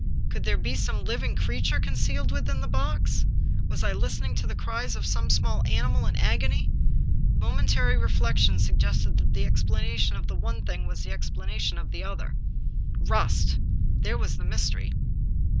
Could there be some living creature concealed within the box? Was I listening to the cries of some small animal in agony ? Momentary reflection suggested that the explanation of the one thing was the explanation of the other. Rust! — ^there was the mystery.